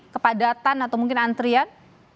kepadatan atau mungkin antrian